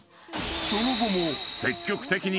［その後も］